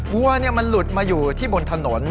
วัวมันหลุดมาอยู่ที่บนถนน